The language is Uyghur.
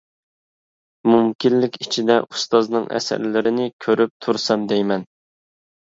مۇمكىنلىك ئىچىدە ئۇستازنىڭ ئەسەرلىرىنى كۆرۈپ تۇرسام دەيمەن.